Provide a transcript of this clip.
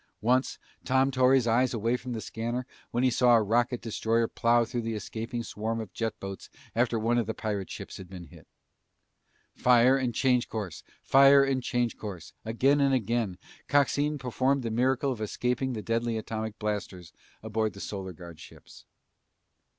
Once, Tom tore his eyes away from the scanner when he saw a rocket destroyer plow through the escaping swarm of jet boats after one of the pirate ships had been hit. Fire and change course, fire and change course, again and again, Coxine performed the miracle of escaping the deadly atomic blasters aboard the Solar Guard ships.